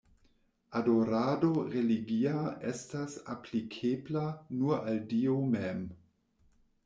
Adorado religia estas aplikebla nur al Dio mem.